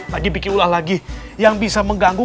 lagi bikin ulah lagi yang bisa mengganggu